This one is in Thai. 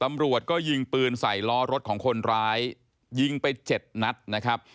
ตำรวจก็ยิงปืนใส่ล้อรถของคนร้ายยิงไปเจ็ดนัดนะครับ